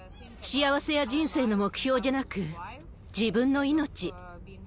幸せや人生の目標じゃなく、自分の命。